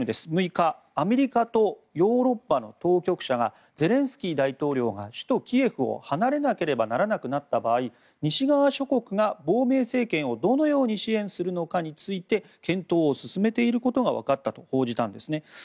６日、アメリカとヨーロッパの当局者がゼレンスキー大統領が首都キエフを離れなければならなくなった場合西側諸国が亡命政権をどのように支援するかについて検討を進めていることがわかったと報じているんです。